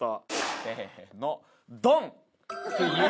せーのドン！